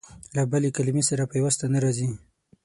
له بلې کلمې سره پيوسته نه راځي.